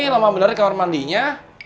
lama benar kantor mandinya